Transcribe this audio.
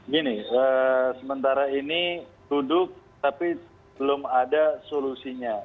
gini sementara ini duduk tapi belum ada solusinya